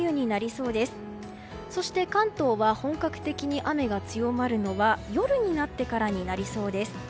そして、関東は本格的に雨が強まるのは夜になってからになりそうです。